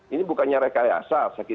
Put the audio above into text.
ini bukannya rekayasa sakit